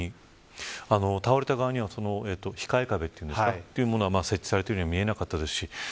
倒れた側には控え壁が設置されているように見えなかったですし。